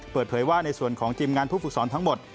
เปิดเผยว่าในส่วนของทีมงานผู้ฝึกสอนทั้งหมด